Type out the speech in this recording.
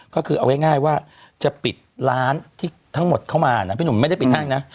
ก็คือเอาง่ายว่าจะปิดร้านที่ทั้งหมดเข้ามานะพี่หนุ่มไม่ได้ปิดห้างนะ